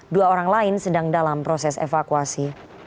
dua orang lain sedang dalam proses evakuasi